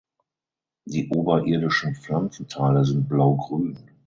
Die oberirdischen Pflanzenteile sind blaugrün.